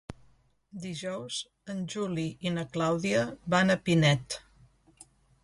Dijous en Juli i na Clàudia van a Pinet.